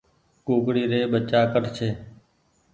ڪُڪڙي ري ٻچا ڪٺي ڇي